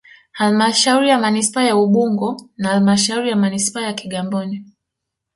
Halmashauri ya Manispaa ya Ubungo na Halmashauri ya Manispaa ya Kigamboni